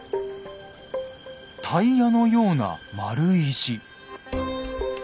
タイヤのような丸い石。